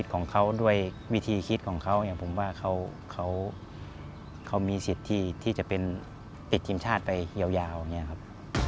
ของเขาด้วยวิธีคิดของเขาอย่างผมว่าเขามีสิทธิ์ที่จะเป็นติดทีมชาติไปยาวอย่างนี้ครับ